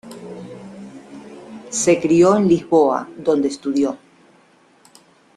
Se crio en Lisboa donde estudió.